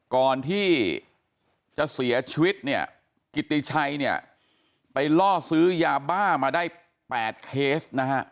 ก่อนที่จะเสียชีวิตกิติชัยไปล่อซื้อยาบ้ามาได้๘เคส